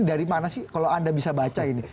dari mana sih kalau anda bisa baca ini